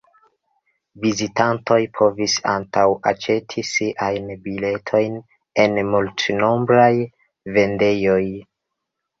Vizitantoj povis antaŭ-aĉeti siajn biletojn en multnombraj vendejoj.